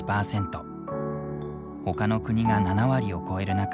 ほかの国が７割を超える中